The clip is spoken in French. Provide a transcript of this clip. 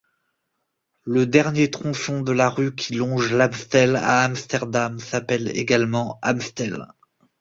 Le dernier tronçon de la rue qui longe l'Amstel à Amsterdam s'appelle également Amstel.